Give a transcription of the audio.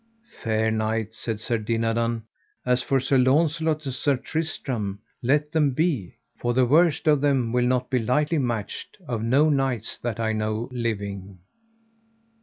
Fair knight, said Sir Dinadan, as for Sir Launcelot and Sir Tristram let them be, for the worst of them will not be lightly matched of no knights that I know living.